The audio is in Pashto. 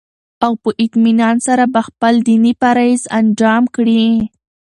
او په اطمينان سره به خپل ديني فرايض انجام كړي